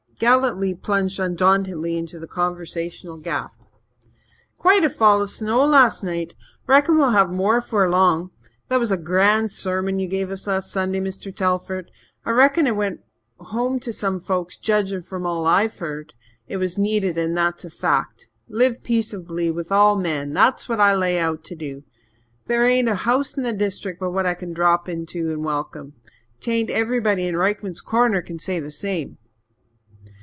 Galletly plunged undauntedly into the conversational gap. "Quite a fall of snow last night. Reckon we'll have more 'fore long. That was a grand sermon ye gave us last Sunday, Mr. Telford. Reckon it went home to some folks, judgin' from all I've heard. It was needed and that's a fact. 'Live peaceably with all men' that's what I lay out to do. There ain't a house in the district but what I can drop into and welcome. 'Tain't everybody in Rykman's Corner can say the same."